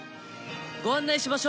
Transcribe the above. ご案内しましょう。